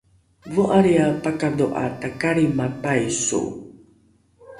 vo’alriae pakadho’a takalrima paiso